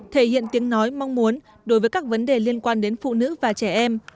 thể hiện tiếng nói mong muốn đối với các vấn đề liên quan đến phụ nữ và trẻ em